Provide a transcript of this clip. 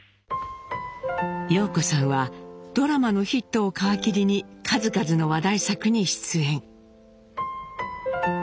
陽子さんはドラマのヒットを皮切りに数々の話題作に出演。